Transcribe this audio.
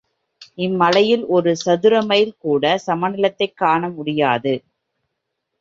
இம்மலையில் ஒரு சதுரமைல் கூடச் சமநிலத்தைக் காண முடியாது.